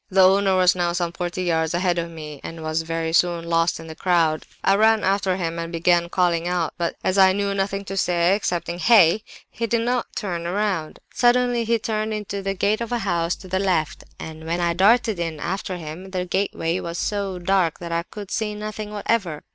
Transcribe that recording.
"The owner was now some forty yards ahead of me, and was very soon lost in the crowd. I ran after him, and began calling out; but as I knew nothing to say excepting 'hey!' he did not turn round. Suddenly he turned into the gate of a house to the left; and when I darted in after him, the gateway was so dark that I could see nothing whatever.